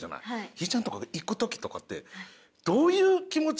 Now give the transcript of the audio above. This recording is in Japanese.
ひぃちゃんとかが行く時とかってどういう気持ちで？